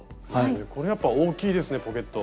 これやっぱ大きいですねポケット。